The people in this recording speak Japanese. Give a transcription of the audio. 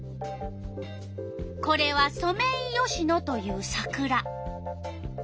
これはソメイヨシノというサクラ。